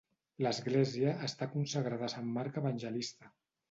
L'església està consagrada a sant Marc Evangelista.